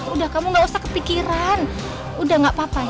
udah kamu gak usah kepikiran udah gak apa apa